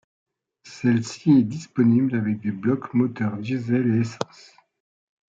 Celle-ci est disponible avec des blocs moteur diesel et essence.